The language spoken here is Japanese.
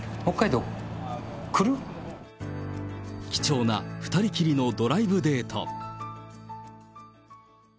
貴重な２人きりのドライブデート。